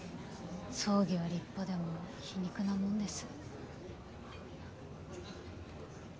葬儀は立派でも皮肉なもんです。